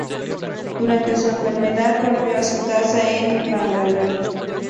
Durante su enfermedad volvió a su casa en Bangalore.